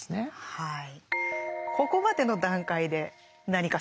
はい。